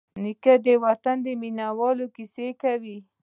نیکه د وطن د مینوالو کیسې کوي.